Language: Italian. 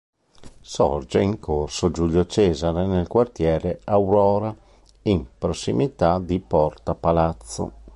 Sorge in corso Giulio Cesare nel quartiere Aurora, in prossimità di Porta Palazzo.